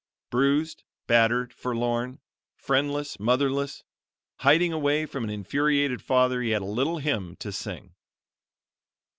Bruised, battered, forlorn; friendless, motherless; hiding away from an infuriated father he had a little hymn to sing.